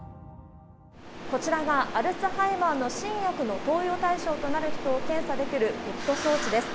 こちらが、アルツハイマーの新薬の投与対象となる人を検査できるＰＥＴ装置です。